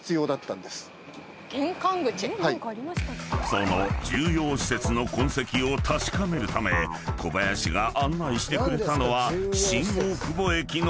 ［その重要施設の痕跡を確かめるため小林が案内してくれたのは新大久保駅の東側］